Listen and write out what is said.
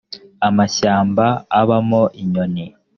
amashyamba abamo inyoni.